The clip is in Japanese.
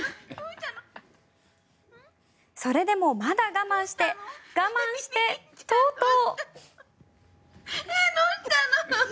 それでも、まだ我慢して我慢してとうとう。